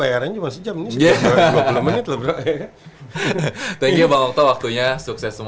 iya padahal bayarannya cuma sejam